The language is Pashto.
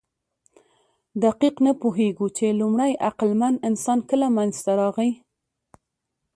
دقیق نه پوهېږو، چې لومړی عقلمن انسان کله منځ ته راغی.